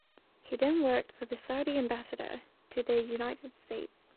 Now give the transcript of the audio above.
He then worked for the Saudi ambassador to the United States.